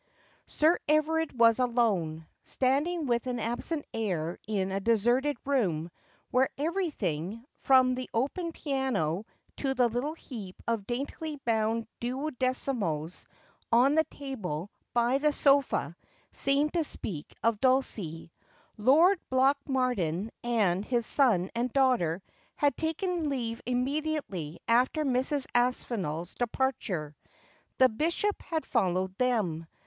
Sir Everard was alone, standing with an absent air in a deserted room where everything — from the open piano to the little heap of daintily bound duodecimos on the table by the sofa — seemed to speak of Dulcie. Lord Blatchmardean and liis son and daughter had taken leave immediately after Mrs. Aspinall's departure. The bishop had followed them.